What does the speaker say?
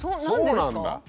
そうなんだ！